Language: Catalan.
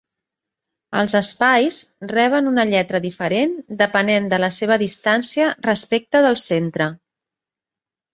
Els espais reben una lletra diferent depenent de la seva distància respecte del centre.